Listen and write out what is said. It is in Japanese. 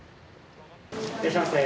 いらっしゃいませ。